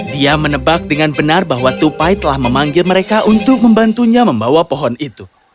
dia menebak dengan benar bahwa tupai telah memanggil mereka untuk membantunya membawa pohon itu